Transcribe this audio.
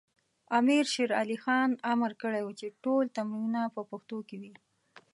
امیر شیر علی خان امر کړی و چې ټول تمرینونه په پښتو وي.